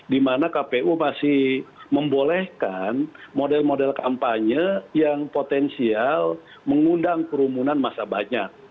dimana kpu masih membolehkan model model kampanye yang potensial mengundang kerumunan masa banyak